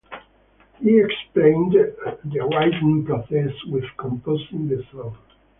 He explained the writing process with composing the song.